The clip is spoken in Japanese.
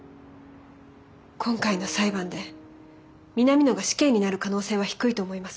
今回の裁判で南野が死刑になる可能性は低いと思います。